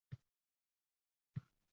tug‘ish jarayoni va